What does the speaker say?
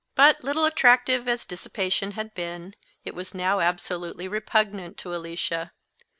But, little attractive as dissipation had been, it was now absolutely repugnant to Alicia.